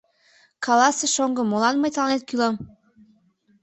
— Каласе, шоҥго, молан мый тыланет кӱлам?